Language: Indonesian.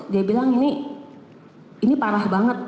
dia bilang ini ini parah banget